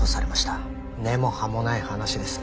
根も葉もない話です。